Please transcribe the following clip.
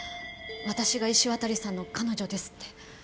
私が石渡さんの彼女ですって。